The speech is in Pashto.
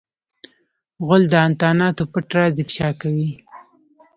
غول د انتاناتو پټ راز افشا کوي.